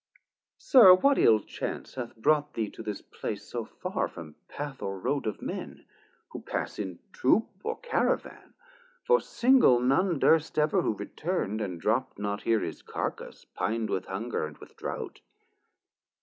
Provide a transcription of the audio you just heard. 320 Sir, what ill chance hath brought thee to this place So far from path or road of men, who pass In Troop or Caravan, for single none Durst ever, who return'd, and dropt not here His Carcass, pin'd with hunger and with droughth?